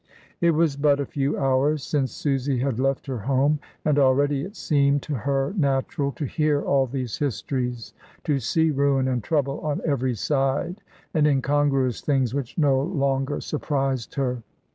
... It was but a few hours since Susy had left her home, and already it seemed to her natural to hear all these histories, to see ruin and trouble on every side, and incongruous things which no longer sur prised her.